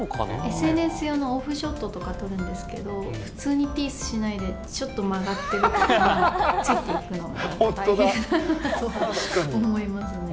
ＳＮＳ用のオフショットとか撮るんですけど、普通にピースしないで、ちょっと曲がってるとか、ついていくのが大変だなと思いますね。